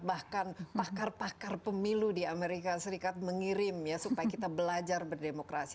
bahkan pakar pakar pemilu di amerika serikat mengirim ya supaya kita belajar berdemokrasi